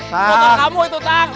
motor kamu itu tang